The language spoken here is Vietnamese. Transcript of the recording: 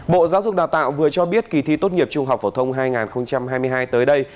bộ giáo dục đào tạo vừa cho biết kỳ thi tốt nghiệp trung học phổ thông hai nghìn hai mươi hai tới đây